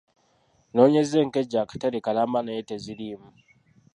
Nnoonyeza enkejje akatale kalamba naye teziriimu.